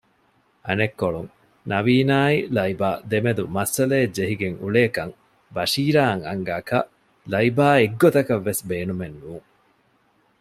އަނެއްކޮޅުން ނަވީނާއި ލައިބާ ދެމެދު މައްސަލައެއް ޖެހިގެން އުޅޭކަން ބަޝީރާއަށް އަންގާކަށް ލައިބާއެއް ގޮތަކަށްވެސް ބޭނުމެއް ނޫން